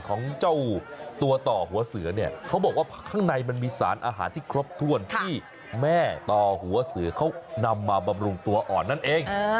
เขาบอกว่าข้างในมันมีสารอาหารที่ครบถ้วนที่แม่ต่อหัวเสือเขานำมาบำรุงตัวอ่อนนั่นเอง